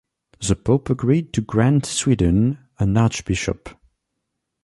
The Pope agreed to grant Sweden an Archbishop.